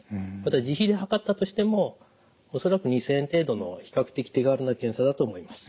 自費で測ったとしても恐らく２，０００円程度の比較的手軽な検査だと思います。